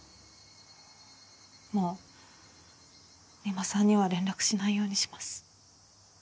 もう三馬さんには連絡しないようにします。